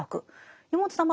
山本さん